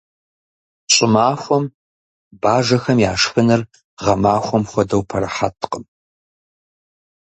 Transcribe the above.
ЩӀымахуэм бажэхэм я шхыныр гъэмахуэм хуэдэу пэрыхьэткъым.